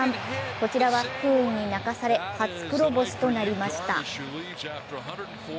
こちらは不運に泣かされ初黒星となりました。